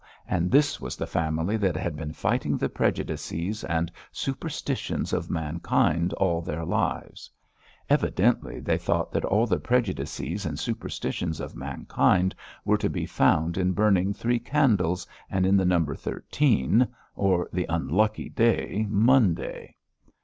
And this was the family that had been fighting the prejudices and superstitions of mankind all their lives; evidently they thought that all the prejudices and superstitions of mankind were to be found in burning three candles and in the number thirteen, or the unlucky day Monday.